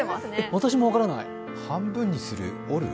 私も分からない。